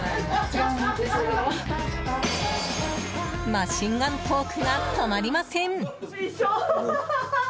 マシンガントークが止まりません。